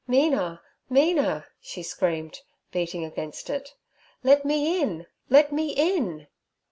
'Mina, Mina!' she screamed, beating against it, 'let me in, let me in!'